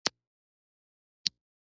دښمن له تا نه، له ښېګڼې نه کرکه لري